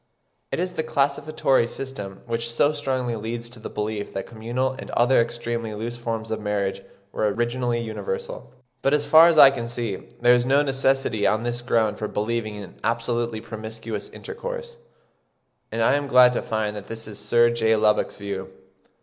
It is the classificatory system which so strongly leads to the belief that communal and other extremely loose forms of marriage were originally universal. But as far as I can see, there is no necessity on this ground for believing in absolutely promiscuous intercourse; and I am glad to find that this is Sir J. Lubbock's view.